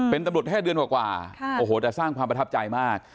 เป็นตำรวจแค่เดือนกว่าโอ้โหแต่สร้างความประทับใจมาก